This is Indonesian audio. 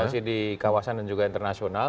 masih di kawasan dan juga internasional